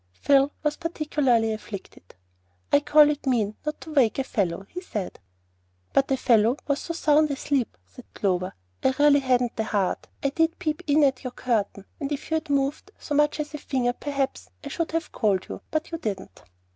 Phil was particularly afflicted. "I call it mean not to wake a fellow," he said. "But a fellow was so sound asleep," said Clover, "I really hadn't the heart. I did peep in at your curtain, and if you had moved so much as a finger, perhaps I should have called you; but you didn't."